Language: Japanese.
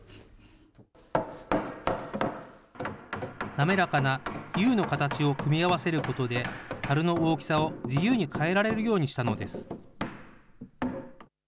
滑らかなＵの形を組み合わせることで、たるの大きさを自由に変えられるようにしたのです。